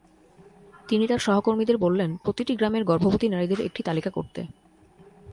তিনি তাঁর সহকর্মীদের বললেন প্রতিটি গ্রামের গর্ভবতী নারীদের একটি তালিকা করতে।